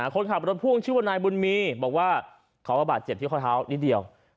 คนขับรถพ่วงชื่อว่านายบุญมีบอกว่าเขาก็บาดเจ็บที่ข้อเท้านิดเดียว